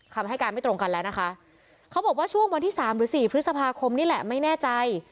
คำให้การไม่ตรงกันแล้วนะคะเขาบอกว่าช่วงวันที่สามหรือสี่พฤษภาคมนี่แหละไม่แน่ใจ